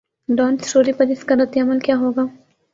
Dawn story پر اس کا ردعمل کیا ہو گا؟